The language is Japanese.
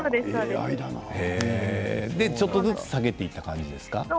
ちょっとずつ下げていくということですか？